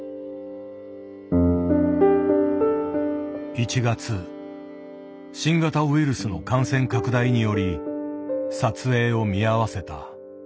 １月新型ウイルスの感染拡大により撮影を見合わせた。